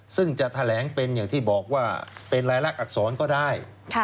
ซึ่งจะแถลงเป็นอย่างที่บอกว่าเป็นรายลักษณอักษรก็ได้